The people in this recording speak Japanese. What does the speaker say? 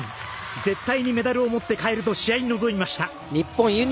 絶対にメダルを持って帰ると試合に臨みました。